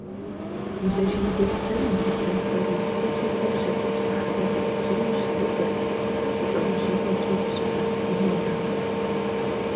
Гулэжын Беслъэн и гъэсэнхэр республикэм щекӏуэкӏ зэхьэзэхуэ псоми щытекӏуэрт, зы лӏэужьыгъуэкӏи бжьыпэр зыми ирамыту.